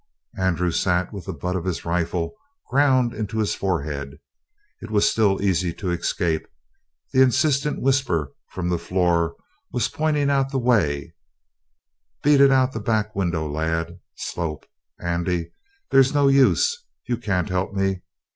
Andrew sat with the butt of his rifle ground into his forehead. It was still easy to escape; the insistent whisper from the floor was pointing out the way: "Beat it out that back window, lad. Slope, Andy; they's no use. You can't help me.